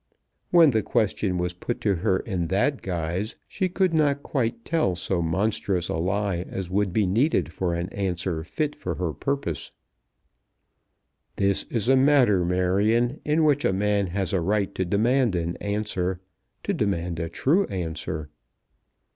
When the question was put to her in that guise she could not quite tell so monstrous a lie as would be needed for an answer fit for her purpose. "This is a matter, Marion, in which a man has a right to demand an answer, to demand a true answer."